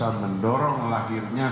dan bisa mendorong lahirnya